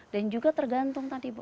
dan juga tergantung tadi bu